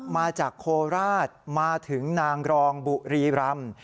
มาจากโคราชมาถึงนางรองบุรีรำ